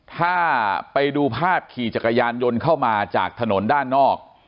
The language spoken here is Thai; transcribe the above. ถ้าไปดูภาพขี่จักรยานยนต์เข้ามาจากถนนด้านนอก